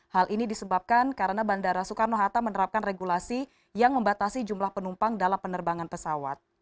hal ini disebabkan karena bandara soekarno hatta menerapkan regulasi yang membatasi jumlah penumpang dalam penerbangan pesawat